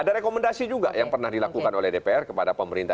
ada rekomendasi juga yang pernah dilakukan oleh dpr kepada pemerintah